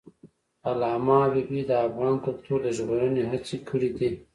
علامه حبیبي د افغان کلتور د ژغورنې هڅې کړی دي.